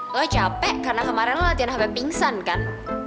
lo capek karena kemarin latihan hp pingsan kan